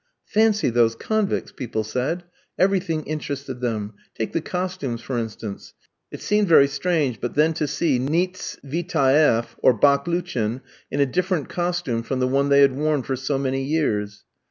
"Fancy those convicts!" people said: everything interested them, take the costumes for instance. It seemed very strange, but then to see, Nietsvitaeff, or Baklouchin, in a different costume from the one they had worn for so many years.